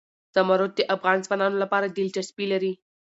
زمرد د افغان ځوانانو لپاره دلچسپي لري.